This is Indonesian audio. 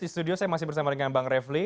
di studio saya masih bersama dengan bang refli